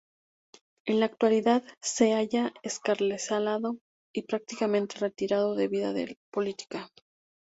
En la actualidad se halla excarcelado y prácticamente retirado de la vida política.